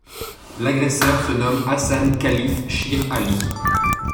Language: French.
L’agresseur se nomme Hassan Khalif Shire Ali.